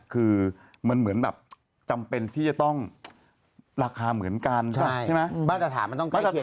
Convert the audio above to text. คือมันเหมือนแบบจำเป็นที่จะต้องราคาเหมือนกันใช่ไหมมาตรฐานมันต้องใกล้เคียง